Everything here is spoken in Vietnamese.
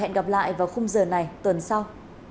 hẹn gặp lại vào khung giờ này tuần sau